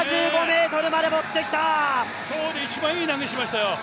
今日で一番いい投げしましたよ。